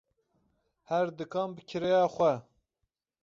Her dikan bi kirêya xwe.